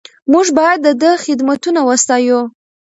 موږ باید د ده خدمتونه وستایو.